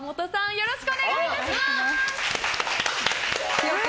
よろしくお願いします。